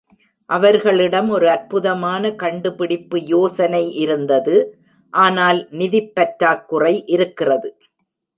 அவர்களிடம் ஒரு அற்புதமான கண்டுபிடிப்பு யோசனை இருந்தது, ஆனால் நிதிப்பற்றாக்குறை இருக்கிறது.